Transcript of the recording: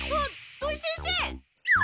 土井先生